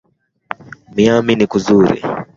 Miami ni kuzuri